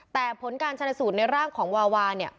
แต่ผลการชนสูตรในร่างของวาวาเนี่ย